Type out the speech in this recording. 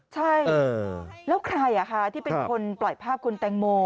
ใช่แล้วใครที่เป็นคนปล่อยภาพคุณแตงโม